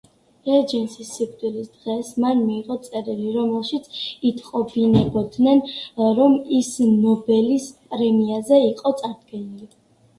როჯერსის სიკვდილის დღეს მან მიიღო წერილი, რომელშიც იტყობინებოდნენ, რომ ის ნობელის პრემიაზე იყო წარდგენილი.